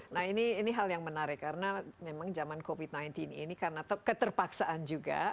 nah ini hal yang menarik karena memang zaman covid sembilan belas ini karena keterpaksaan juga